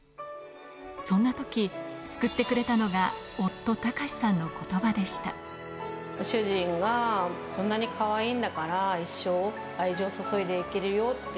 そんなとき、救ってくれたのが、夫、主人が、こんなにかわいいんだから一生愛情注いでいけるよって。